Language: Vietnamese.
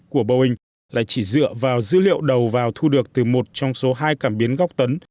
của boeing lại chỉ dựa vào dữ liệu đầu vào thu được từ một trong số hai cảm biến góc tấn